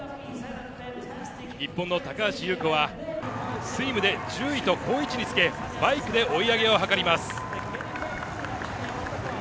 日本の高橋侑子はスイムで１０位と好位置につけバイクで追い上げを図ります。